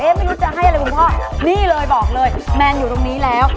ไม่รู้จะให้อะไรคุณพ่อนี่เลยบอกเลยแมนอยู่ตรงนี้แล้ว